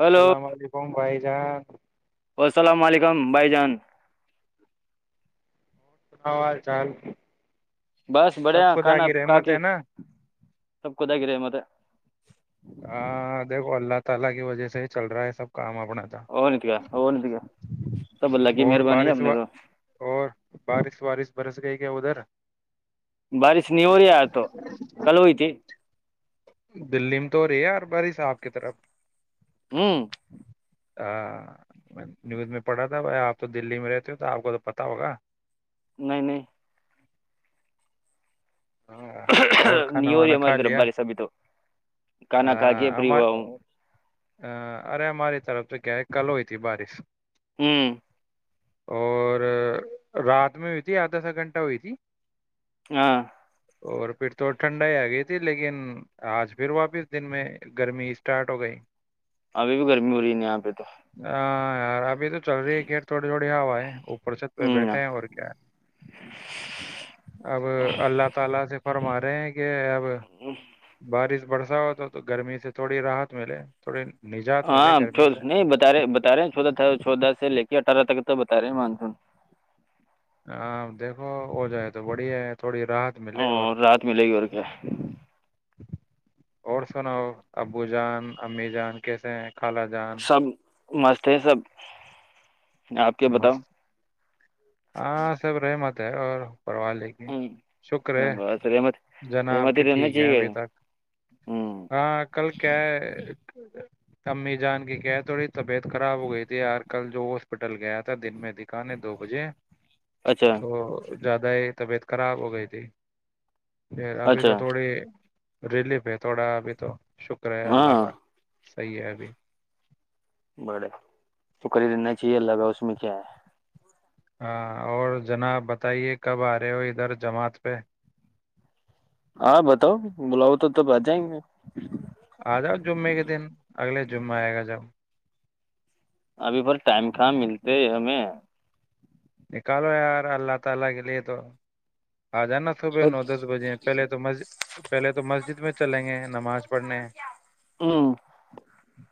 hello علیکم بھائی جان السلام علیکم بھائی جان کا حال چال [unintelligible] بس سب بڑھیا خدا کھانا کی رحمت کھاکے ہے نا سب خودا کی رہحمت ہے ہاں ہاں دیکھو اللہ تعالی کی وجہ سے چل رہا ہے سب کام اپنا تھا اور نہیں تو کیا اور نہیں تو کیا سب اللہ کی اور مہربانی ہے بارش و اپنے تو اور بارش وارش برس گئی کےاودھر [unintelligible] بارش نہیں ہو رہی اج تو کل ہوئی تھی دلی میں تو ہو رہی ہے یار بارس اپ کی طرف ہوں [unintelligible] ہ نیوز میں پڑھا تھا بھائی آپ تو دلی میں رہتے ہو تو آپ کو تو پتا ہوگا نہیں نہیں ہاں اور نی کھانا ہوی وانا ہماری کھا طرف لیا بارس ابھی تو کانا کھا کے فیری ہوا ہوں ہاں ارے ہماری طرف سے کیا ہے کل ہوئی تھی بارش ہوں [unintelligible] اور رات میں ہوئی تھی آدھا آدھا گھنٹہ ہوئی تھی ہاں اور پھر تو ٹھنڈا ہی آ گئی تھی لیکن آج پھر واپس دن میں گرمی ا سطاط ہو گئی ابھی بھی گرمی ہو رہی ہے یہاں پہ تو اور آپ [unintelligible] ابھی تو چل رہی ہے ک تھوڑی تھوڑی ہوا ہے اوپر سےد ہ پہ بیٹھے ہیں اور کیا ہے اب اللہ سے فرما رہے ہیں کےاب اب بارش [unintelligible] برسا ہو تو تو گرمی سے تھوڑی راحت ملے تھوڑی نجات ملے ہاں گرمی سے نہیں بتا رہے بتا رہے ہیں چودا تھا چودا سے ل یہ اٹھارہ تک تو بتا رہے ہیں مانسون ہاں دیکھو ہو جائے تو بڑی ہے تھوڑی راحت ملے اور رات ملے گی اور کیا اور سناو ابو جان امی جان کیسے ہیں خالاجان سب مست ہے سب آپ کے بتاؤ ہاں سب رہے م تا اور پروا لے کے ہوں، شکر ہے بس رحمت جنا آپ سہمتی کے رہنا ٹھیک ہے چاہیے ابھی تک ہوں ہاں کل کیا ہے امی جان کی کیا تھوڑی طبیعت خراب ہو گئی تھی یار کل جو ہاسپٹل ٹل گیا تھا دن میں دکان دو بجے اچھا تو زیادہ ہی طبیعت خراب ہو گئے تھے پ ابھی اچھا تو تھوڑی ریلیف ہے تھوڑا ابھی تو شکر ہے اللہ ہاں کا صحیح ہے ابھی بڑے تو کری لینا چاہیے اللہگا اس میں کیا ہے ہاں اور جناب بتائیے کب آ رہے ہو ادھر جماعت پہ ہاں بتاؤ بلاؤ تو تب آ جائیں گے آ جاؤ جمعے کے دن اگلے جمعہ آئے گا جب ابھی پر ٹائم کہاں ملتے ہمیں نکالو یار اللہ تعالی کے لیے تو آ جانا صبح نو دس بجے پہلے تو مسجد پہلے تو مسجد میں چلیں گے نماز پڑھنے ہوں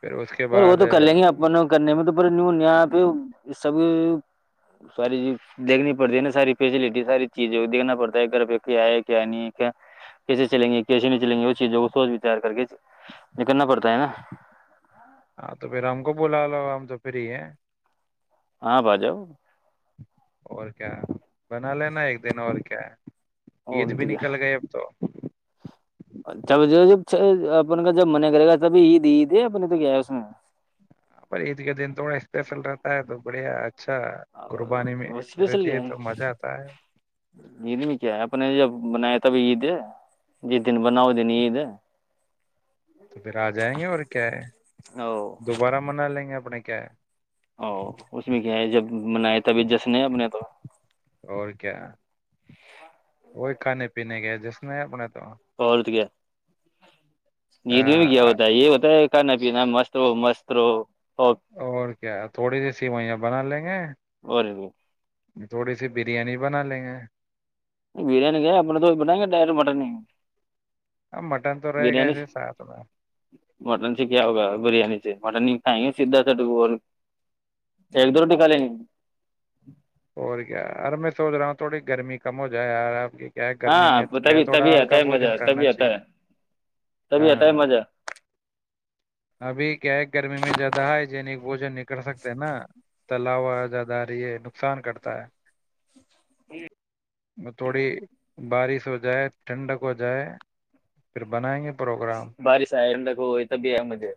پھر اس کے وہ بعد تو کر لیں گے اپن کرنے میں تو پ نی یہاں پہ اس سب ساری چیز دیکھنی پڑتی ہے نا ساری فیسلٹی ساری چیزیں دھنا پڑتا ہے گھر پہ کیا ہے کیا نہیں کیسے چلیں گے کیسے نہیں چلیں گے وہ چیزوں کو سوچ وچار کر کے کرنا پڑتا ہے نا ہاں تو پھر ہم کو بلا لو ہم تو پھر ہی ہیں ہاں ب جاؤ اور کیا بنا لینا ایک دن اور کیا ہے اور عید نہیں بھی نکل گئے اب تو اھل جب اپن کا جب منع کرے گا تبھی عید عید ہے اپ نے تو کیا ہے اس میں ا پر عید کے دن تھوڑا اسپیشل رہتا ہے تو بڑھیا اچھا قربانی میں اور اسپیشل رہتی کیا ہے تو مزہ آتا ہے رلمی کیا ہے اپنے جب بنایا تھا تبھی عید ہیں دن بناؤ دن عید تو پھر آ جائیں گے اور کیا ہے او دوبارہ منا لیں گے اپنے کیا او اس میں کیا ہے جب منائے تبھی جشن اپنے تو اور کیا وہی کھانے پینے کے جس نے اپنا تو آ، اورت کیا عید میں بھی کیا آ، ہوتا ہے یہ پتا ہے کھانا پیا مست ہو مست رہو اور کیا تھوڑی سی سیوئیاں بنا لیں گے اور تھوڑی سی بریانی بنا لیں گے بریانی کیا ہے اپنا تو بتائیں گے ڈائر مٹن ہی اب مٹن تو رہے گا بریانی ایسے ساتھ میں مٹن سے کیا ہوگا بریانی سے مٹن ہی ت سیدھا سٹ اور ایک دورٹی ک ل نہیں اور کیا یار میں سوچ رہا ہوں تھوڑی گرمی کم ہو جائے یار آپ کی کیا گرمی ہاں میں کیا تبھی تھوڑا تبھی آتا ہلکا ہے بوجن مزہ کرنا تبھی آتا چاہیے ہے تبھی آتا ہے ہاں مزہ ابھی کیا ہے گرمی میں زیادہ ہے ج وہ جو نکل سکتے ہیں نا تلا وزد آ رہی ہے نقصان کرتا ہے وہ تھوڑی بارش ہو جائے ٹھنڈک ہو جائے پھر بنائیں گے پروگرام بارسا ہے ہو یہ تو بھی ہے مجھے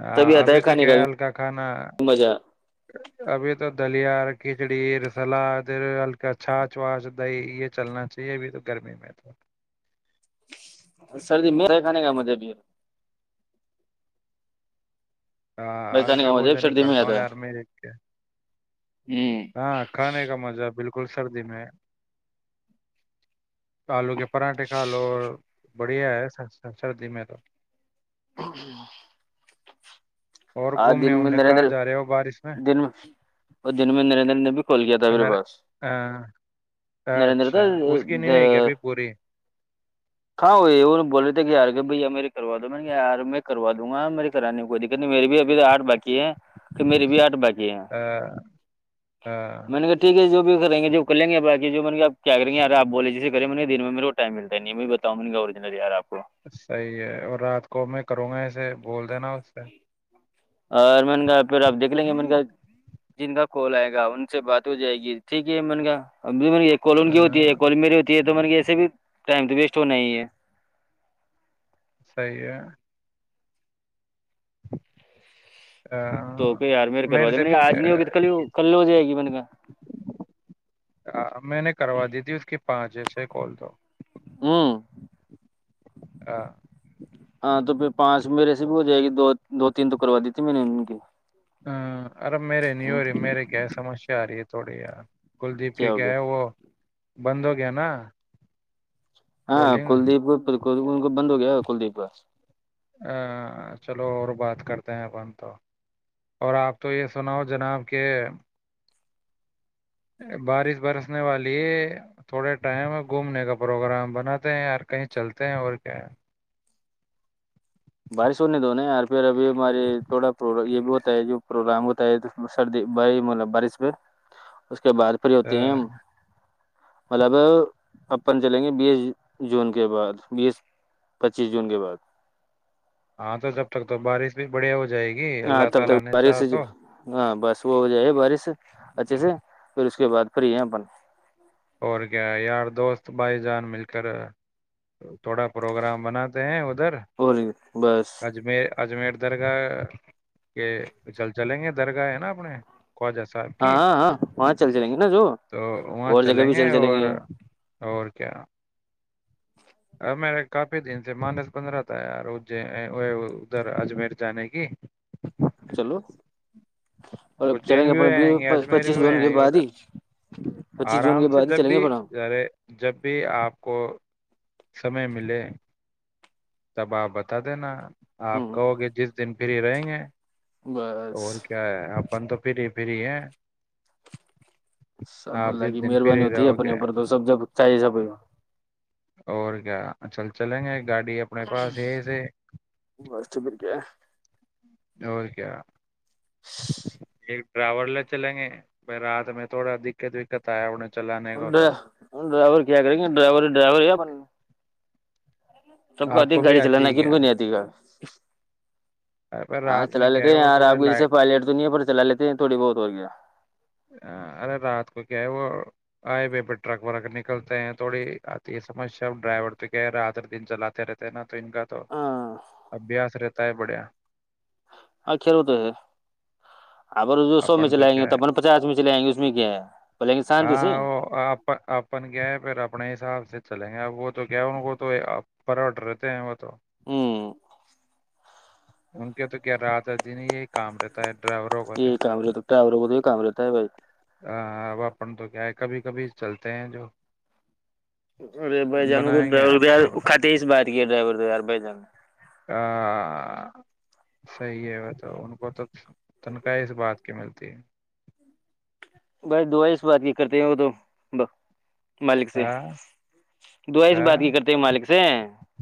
ہاں آتا ابھی تو کھانے کیا کا ہے بھی ہلکا کھانا مزہ ابھی تو دلیا کھچڑی سلاد ہلکا چاچ واچھ دہی یہ چلنا چاہیے ابھی تو گرمی میں تو سردی م رہ ک نہیں کا مھےب بھائی ہاں کھانے ہلکا کا مزہ بوجھ بھی نہیں سردی میں کرتا ہوں آتا یار میں ایک کے ہے ہوں ہاں کھانے کا مزہ بالکل گل سردی میں آلو کے پراٹھے کھا لو اور بڑھیا ہے سردی میں تو [inaudible] اور آ گھومنے دن میں وومنے کہاں نریندر جا رہے ہو بارش دن میں وہ دن میں نریندر نے بھی کھول کیا تھا میرے نر پاس نریندر تھا اچھا اس کی نہیں ہوئے گی ابھی پوری کہاں ہو بول رہے تھے کہیار کہ بھیا میرے سرو تو میں نے یار میں کروا دوں گا میری کرانی کوئی دقت نہیں میری بھی ابھی آٹھاقی ہے کہ میری بھی آٹھ باقی ہیں میں نے کہ ٹھیک ہے جو کریں گے جو کریں گے بای جو کیا کر گے ار آ بولے جسے کریںن میں ٹم ملتا نہیں میں بتاجنل ی آپ کو صحیح ہے اور رات کو میں کروں گا ایسے بول ادانوستہ ہے اور من کاا پھر آپ دیکھ لیں گے من کا جن کا کال آئے گا ان سے بات ہو جائے گی ٹھیک ہے من کاا اے گ یہ کونگی ہوتی ہے کواللممیرری ہوتی ہے تو من گے ایسے بھی ٹائم تو ویسٹ ہونا ہی ہے صحی ہے [inaudible] توک یار میر کروا میرے دیں سے م بھی آج نہیں ہوگی تو ک کل ہو جائے گی من کا میں نے کروا دی تھی اس کی پانچ سے کال تو ہوں ہاں ہاں تو پانچ میرے سے بھی ہو جائے گی دو دو تین تو کروا دی تھی میں نے ان کی ہاں ارم میرے نور میرے کیا سسیا آ رہ تووڑیا کلدیپ کے ہو کیا گیا ہیں وہ بندوگان ہاں کلدیپ بک ان کو بند ہو گیا کلدیپ کا ہ چلو اور بات کرتے ہیں اپن تو اور آپ تو یہ سناؤ جناب کہ بارش برسنے والی تھوڑے ٹائم گھومنے کا پروگرام بناتے ہیں یار کہیں چلتے ہیں اور کیا ہے بارش ہونے دونےیار پھر ابھی ہماراری تھوڑا یہ بھی ہوتا ہے جو پروگرام ہوتا ہے سردی مطلب بارش پہ اس کے بعد پھر ہوتے ہیں آ، ہم مطلب اپن چلیں گے بیس جون کے بعد بیس پچیس جون کے بعد ہاں تو جب تک تو بارش بھی بڑیا ہو جائے گی ہاں اللہ تب تک تعالی نے بارش چاہا تو ہاں بس وہ ہوجائے ہے بارش اچھے سے پھر اس اس کے بعد پری ہیں اپن اور کیا یار دوست بھائی جان مل کر تھوڑا پروگرام بناتے ہیں ادھر اور بس اجم اجمیر درگاہ کے چل چلیں گے درگاہ ہے نا اپنے خواجہ صاحب ہاں کی ہاں ہاں وہاں چل جائیں گے نا جو تو وہاں جگہ چلیں بھی گے چل اور اور کیا اب میرا کافی دن سے مانس پندرہ تھا یار ادھر اجمیر جانے کی چلو اور چلیں اجین گے بھی ہو جائیں گے اپنے اجمیر بھی پچیس ہو جون کے جیں گے بعد ادھر ہی پچیس جون کے آرام سے بعد ہی جب چلیں گے بھی اپنا ہم ارے جب بھی آپ کو سمے ملے تب آپ بتا دینا آپ ہوں، کہو گے جس دن پری رہیں گے بس اور کیا ہے آن تو فری فری سب آپ اللہ کی جس دن مہربانی فری ہوتی ہے رہو اپنے گے اوپر تو سب جب چاہ سب اور کیا چل چلیں گے گاڑی اپنے پاس ہےسے چبک اور کیا ایک ڈرائیور لے چلیں گے بائی رات میں تھوڑا دقت وقت آیا انیں ڈرائیور کیا کریں گے ڈرائیور ڈرائیوریا اپ سب کو آپ آتی ہے بھی گاڑی چلانا ہے کین کیا کو نہیں آتی گا ارے بھائی ہاں رات میں چلا کیا لیتے ہے ہیں وہ یار آپ تھوڑے کے لائٹ جیسے پائلٹ تو نہیں ہے پر چلا لیتے ہیں تھوڑی بہت ہو گیا ارے رات کو کیا ہے وہ ہائی وے پہ ٹرک وغہ نکلتے ہیں تھوڑی آتی ہے سمسیا ڈرائیور تو کیا ہے راتر دن چلاتے رہتے ہیں نا تو ان کا تو ہاں ابیاس رہتا پڑیا ہاں کھیلو تو ہے اپگر جو سو میں اپن چلائیں گے کیا تو ہے اپن پچاس میں چل آائیں گے اس میں کیا ہے پ ل شانتی سے ہاں وہ آپ اپن کیا ہے پھر اپنے حساب سے چلیں گے اب وہ تو کیا ان کو تو پروٹ رہتے ہیں وہ تو ہوں ان کے تو کیا رات ہے دن یہ کام رہتا ہے ڈرائیور ہوتا تھا ے تو ر ب کام رےتا ہے بھائی آ، اب اپن تو کیا ہے کبھی کبھی چلتے ہیں جو ارے بھائی جانوں کو بنائیں گے ڈرائیور یار کے پروگرام کھاتے ہی سے بات کیا ڈرائیور ہار بائی جار ا صحیح ہے وہ تو ان کو تو تنخاہ اس بات کی ملتی ہے بائی دعا اس بات کی کرتے ہیں وہ تو ب ہ اس بات کی ہ کرتے ہیں مالک سے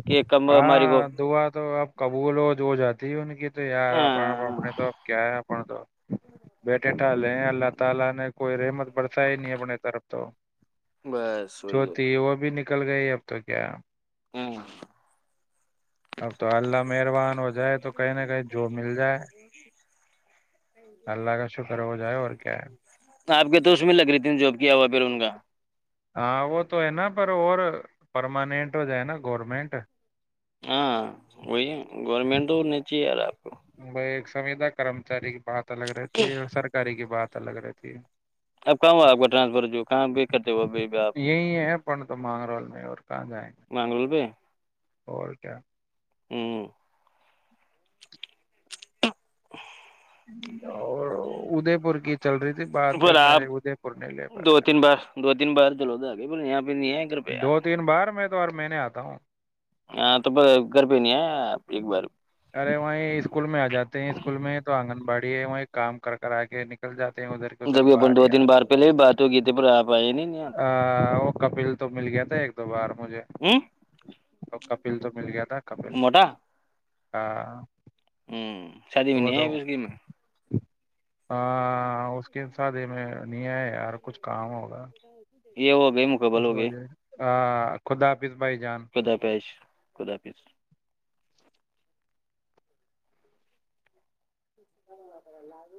کہ کم ہماری ہاں کو دعا تو اب قبول ہو ہو جاتی ہے ان کی تو یار آپنے تو اب کیا ہے [unintelligible] بس وہی جو ہے تھی وہ بھی نکل گئی اب تو کیا اب تو اللہ مہربان ہو جائے تو کہیں نہ کہیں جو مل جائے اللہ کا شکر ہو جائے اور کیا ہے [unintelligible] [unintelligible] کرن گا ہاں وہ تو ہے نا پر اور پرماننٹ ہو جائے نا گورنمنٹ ہاں وہی گورنمنٹ تو نیچی ار آپ کو وہ ایک سویدا کرمچاری کی بات پ لگ رہی ت ہے سرکاری کی بات اچھ لگ رہتی ہے اب کہاں ہو آپ کو ٹرانسفر جو کہاں پ کرتے ہو پ آپ یہی ہے پن تو مانگ رول میں اور کہاں جائیں مانگول پہ اور کیا ہوں اور ادے پور کی چل رہی تھی بات پ پھر آپ میرے ادے پور نہیں لے پا دو رہے تین بار دو تین بار چلو گے ب دو تین بار میں تو اور میں آتا بتا ہوں ہاں تو پس گھر پہ نہیں ہے ایک بار ارے وہیں اسکول میں آ جاتے ہیں اسکول میں تو آنگن باڑی ہے وہیں کام کر کر آ کے نکل جاتے ہیں ادھر کے جب ادھر اپن باہر دو تین بار پہلے بھی بات ہو گی تھی پھر آپ آئے نہیں یہاں تو ا وہ کپل تو مل گ تھ ایک دو بار مجھے ہ اور کب بل تو مل گیا ا کپل ہاں ہوں شادی میں نہیں ہے اس گی میں ہاں اس کے سادی میں نہیں ہے یار کچھ کام ہوگا یہ ہو گئی مکمل ہو گئی خدا حافظ بھائی جان آفس ہ آ